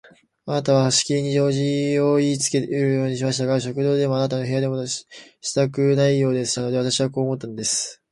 あなたはしきりに用事をいいつけようとされましたが、食堂でもあなたの部屋でもしたくないようでしたので、私はこう思ったんです。